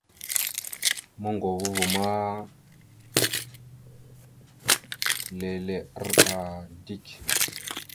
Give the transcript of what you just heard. Moŋgovo ava ma lele, arəba dik.